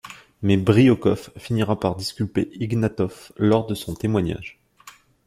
Mais Briokoff finira par disculper Ignatoff lors de son témoignage.